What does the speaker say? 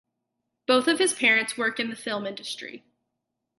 Both of his parents work in the film Industry.